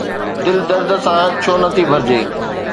دل درد سان ڇو نه ڀرجي؟